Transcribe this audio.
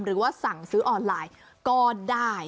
หรือว่าสั่งซื้อออนไลน์ก็ได้